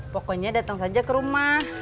pokoknya datang saja ke rumah